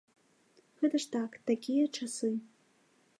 Гэта ж так, такія часы.